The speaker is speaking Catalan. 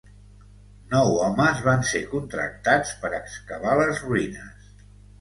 Nou homes van ser contractats per excavar les ruïnes.